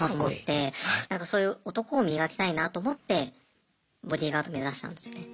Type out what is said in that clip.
なんかそういう男を磨きたいなと思ってボディーガード目指したんですよね。